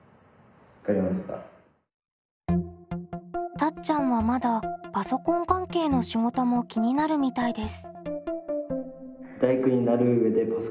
たっちゃんはまだパソコン関係の仕事も気になるみたいです。